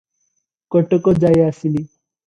କଟକଯାଏ ଆସିଲି ।